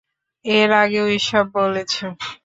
এর আগেও এসব বলেছ!